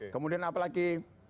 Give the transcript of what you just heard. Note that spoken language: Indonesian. kemudian apa lagi